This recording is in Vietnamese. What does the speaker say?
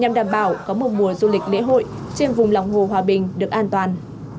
nhằm đảm bảo có một mùa du lịch lễ hội trên vùng lòng hồ hòa bình được an toàn